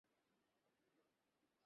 নয়তো হয়ে যাক দু হাত?